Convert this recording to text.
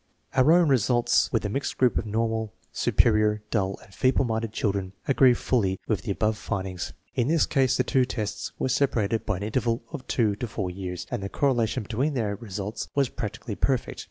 1 Our own results with a mixed group of normal, su perior, dull, and feeble minded children agree fully with the above findings. In this case the two tests were separated by an interval of two to four years, and the correlation between their results was practically perfect.